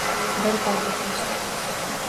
Bir bag’ritoshdir